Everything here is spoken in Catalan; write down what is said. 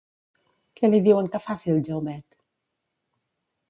Què li diuen que faci el Jaumet?